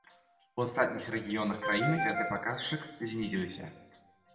У астатніх рэгіёнах краіны гэты паказчык знізіўся.